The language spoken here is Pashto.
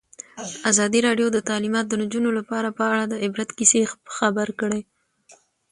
ازادي راډیو د تعلیمات د نجونو لپاره په اړه د عبرت کیسې خبر کړي.